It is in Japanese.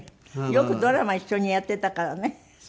よくドラマ一緒にやってたからね